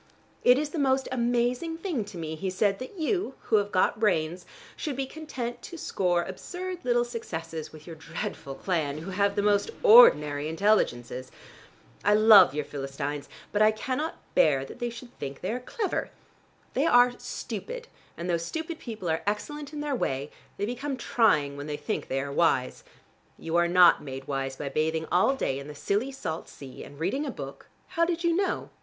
"It is the most amazing thing to me," he said, "that you, who have got brains, should be content to score absurd little successes with your dreadful clan, who have the most ordinary intelligences. I love your Philistines, but I cannot bear that they should think they are clever. They are stupid, and though stupid people are excellent in their way, they become trying when they think they are wise. You are not made wise by bathing all day in the silly salt sea, and reading a book " "How did you know?"